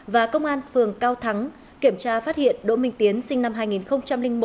và công an phường cao thắng kiểm tra phát hiện đỗ minh tiến sinh năm hai nghìn một